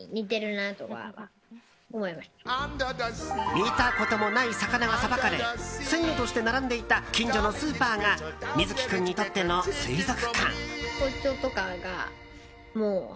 見たこともない魚がさばかれ鮮魚として並んでいた近所のスーパーが瑞樹君にとっての水族館。